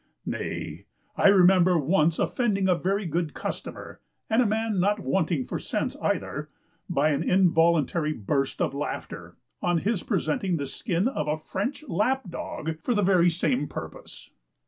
Nay, I remember once offending a very good customer, and a man not wanting for sense either, by an involuntary burst of laughter, on his presenting the skin of a French lap dog for the very same purpose.